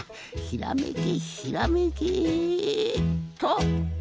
ひらめけひらめけっと。